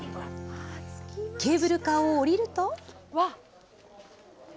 ケーブルカーを降りると。